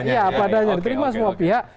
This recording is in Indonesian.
iya apadanya diterima semua pihak